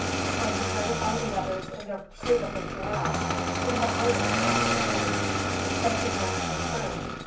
When deserted by the others in their pursuit of the giraffes, he had waited two or three hours, expecting them to return.